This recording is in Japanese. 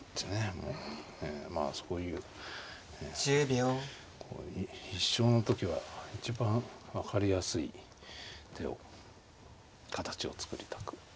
ええまあそういうこう必勝の時は一番分かりやすい手を形を作りたく。